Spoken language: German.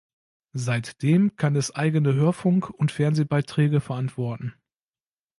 Seitdem kann es eigene Hörfunk- und Fernsehbeiträge verantworten.